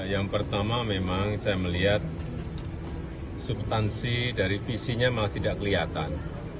yang pertama memang saya melihat subtansi dari visinya malah tidak kelihatan